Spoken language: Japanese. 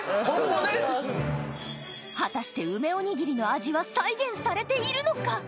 今後ね果たして梅おにぎりの味は再現されているのか？